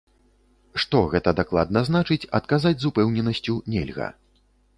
Што гэта дакладна значыць, адказаць з упэўненасцю нельга.